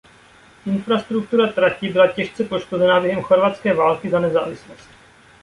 Infrastruktura trati byla těžce poškozena během Chorvatské války za nezávislost.